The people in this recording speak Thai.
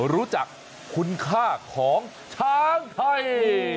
รู้จักคุณค่าของช้างไทย